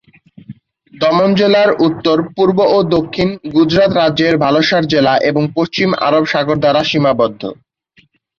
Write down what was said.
দমন জেলার উত্তর, পূর্ব ও দক্ষিণ গুজরাত রাজ্যের ভালসাড় জেলা এবং পশ্চিম আরব সাগর দ্বারা সীমাবদ্ধ।